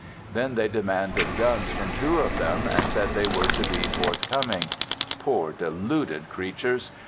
Then they demanded guns from two of them and said they were to be forthcoming. Poor deluded creatures!